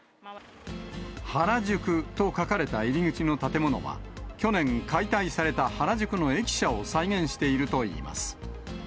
ハラジュクと書かれた入り口の建物は、去年、解体された原宿の駅舎を再現しているといいます。